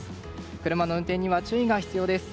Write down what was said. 車の運転には注意が必要です。